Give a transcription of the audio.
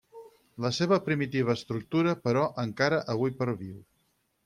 La seva primitiva estructura, però, encara avui perviu.